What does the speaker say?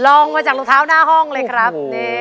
ลงมาจากรองเท้าหน้าห้องเลยครับ